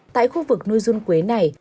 tại khu vực nuôi dun quế này